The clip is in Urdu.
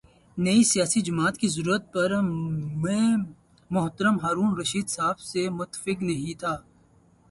نئی سیاسی جماعت کی ضرورت پر میں محترم ہارون الرشید صاحب سے متفق نہیں تھا۔